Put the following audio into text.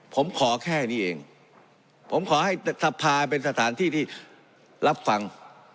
ผมขอแค่นี้เองผมขอให้สภาเป็นสถานที่ที่รับฟัง